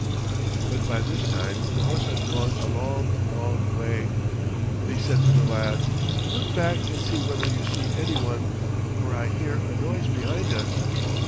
But by this time the horse had gone a long, long way. Then he said to the lad, "Look back and see whether you see any one, for I hear a noise behind us."